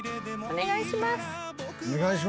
「お願いします！」